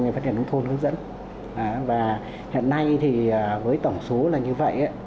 và hiện nay thì với tổng số là như vậy